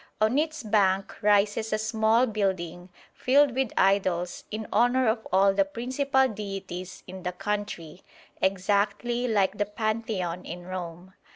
On its bank rises a small building filled with idols in honour of all the principal deities in the country, exactly like the Pantheon in Rome.